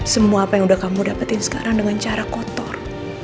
semua apa yang udah kamu dapetin sekarang dengan cara kotor